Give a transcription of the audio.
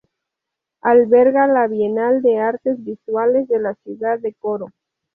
Alberga la Bienal de Artes Visuales de la Ciudad de Coro.